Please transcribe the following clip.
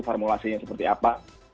formulasinya seperti apa